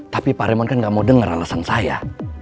tapi pak remon kan gak mau dengar alasan saya